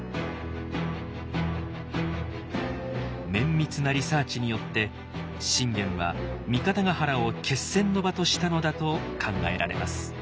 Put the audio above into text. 綿密なリサーチによって信玄は三方原を決戦の場としたのだと考えられます。